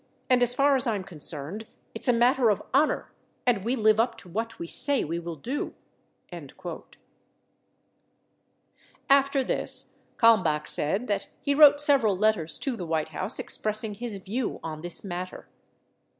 And as far as I'm concerned, it's a matter of honor and we live up to what we say we will do." 5 After this Kalmbach said that he wrote several letters to the White House expressing his view on this matter.